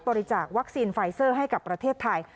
บริจาควัคซีนไฟเซอร์ให้กับประเทศไทย